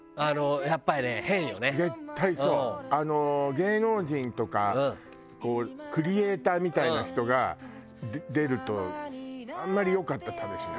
芸能人とかこうクリエーターみたいな人が出るとあんまり良かったためしない。